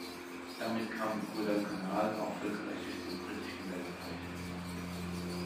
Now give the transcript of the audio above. Damit kam Guadalcanal auch völkerrechtlich zum Britischen Weltreich.